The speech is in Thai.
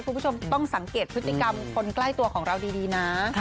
คุณผู้ชมต้องสังเกตพฤติกรรมคนใกล้ตัวของเราดีนะ